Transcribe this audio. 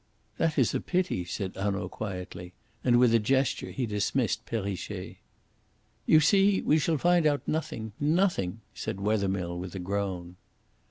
"That is a pity," said Hanaud quietly, and with a gesture he dismissed Perrichet. "You see, we shall find out nothing nothing," said Wethermill, with a groan.